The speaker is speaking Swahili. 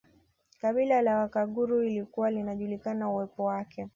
Kabila la Wakaguru lilikuwa linajulikana uwepo wake